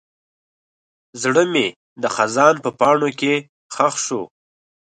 زړه مې د خزان په پاڼو کې ښخ شو.